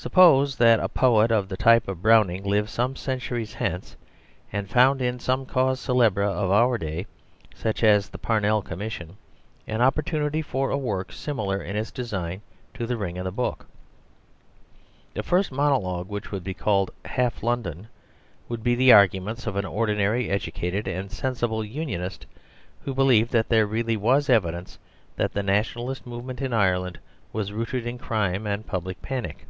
Suppose that a poet of the type of Browning lived some centuries hence and found in some cause célèbre of our day, such as the Parnell Commission, an opportunity for a work similar in its design to The Ring and the Book. The first monologue, which would be called "Half London," would be the arguments of an ordinary educated and sensible Unionist who believed that there really was evidence that the Nationalist movement in Ireland was rooted in crime and public panic.